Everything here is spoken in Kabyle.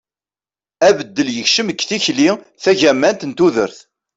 abeddel yekcem deg tikli tagamant n tudert